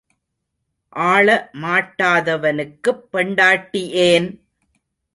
ஆள மாட்டாதவனுக்குப் பெண்டாட்டி ஏன்?